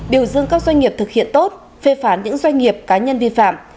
điều dưng các doanh nghiệp thực hiện tốt phê phán những doanh nghiệp cá nhân vi phạm